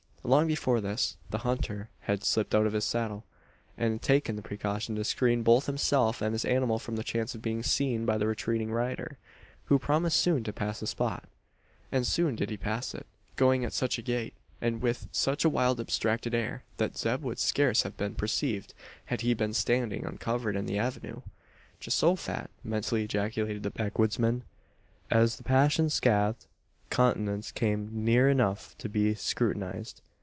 Long before this, the hunter had slipped out of his saddle, and taken the precaution to screen both himself and his animal from the chance of being seen by the retreating rider who promise soon to pass the spot. And soon did he pass it, going at such a gait, and with such a wild abstracted air, that Zeb would scarce have been perceived had he been standing uncovered in the avenue! "Geehosophat!" mentally ejaculated the backwoodsman, as the passion scathed countenance came near enough to be scrutinised.